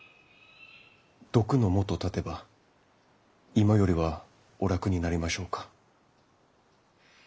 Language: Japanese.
毒のもと断てば今よりはお楽になりましょうか。